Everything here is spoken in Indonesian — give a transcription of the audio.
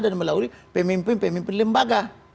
dan melalui pemimpin pemimpin lembaga